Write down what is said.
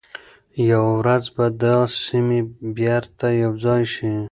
یوه ورځ به دا سیمي بیرته یو ځای شي.